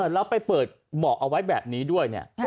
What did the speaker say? แล้วไปเปิดเหมาะเอาไว้แบบนี้ด้วย